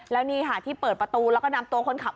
แล้วนี่ค่ะที่เปิดประตูแล้วก็นำตัวคนขับ